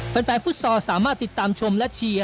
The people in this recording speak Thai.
แฟนฟุตซอลสามารถติดตามชมและเชียร์